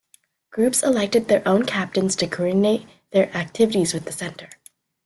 Groups elected their own captains to coordinate their activities with the center.